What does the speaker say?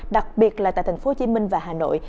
đặc biệt là tại tp hcm và hà nội